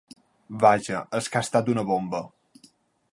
Vaja, és que ha estat una ‘bomba’.